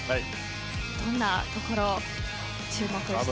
どんなところ注目していますか？